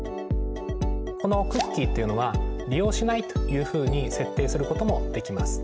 このクッキーっていうのは利用しないというふうに設定することもできます。